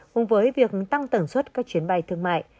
cùng với việc tăng tần suất các chuyến bay thương mại